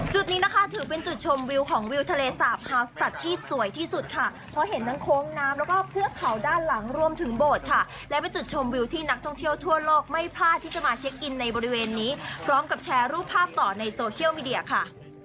จุดนี้นะคะถือเป็นจุดชมวิวของวิวทะเลสาบฮาวสตัสที่สวยที่สุดค่ะเพราะเห็นทั้งโค้งน้ำแล้วก็เทือกเขาด้านหลังรวมถึงโบสถ์ค่ะและเป็นจุดชมวิวที่นักท่องเที่ยวทั่วโลกไม่พลาดที่จะมาเช็คอินในบริเวณนี้พร้อมกับแชร์รูปภาพต่อในโซเชียลมีเดียค่ะ